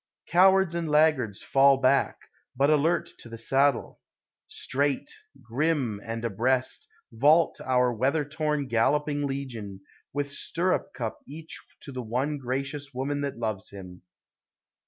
LIFE. 259 Cowards and laggards fall back; but alert to the saddle, Straight, grim, and abreast, vault our weather worn, galloping legion, With stirrup cup each to the one gracious woman that loves him.